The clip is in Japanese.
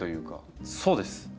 そうです。